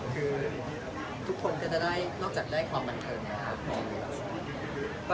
คือทุกคนก็จะได้นอกจากได้ความบันเทิงนะครับ